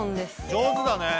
上手だねえ。